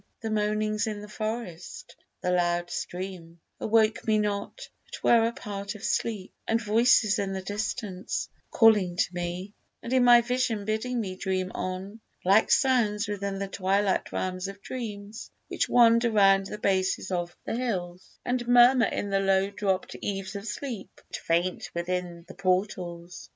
The moanings in the forest, the loud stream, Awoke me not, but were a part of sleep; And voices in the distance, calling to me, And in my vision bidding me dream on, Like sounds within the twilight realms of dreams, Which wander round the bases of the hills, And murmur in the low dropt eaves of sleep, But faint within the portals.